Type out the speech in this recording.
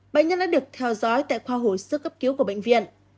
bệnh nhân đã được theo dõi tại khoa hồi sức cấp cứu của bệnh viện